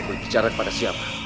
berbicara kepada siapa